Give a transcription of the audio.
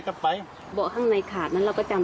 ครับผมครับ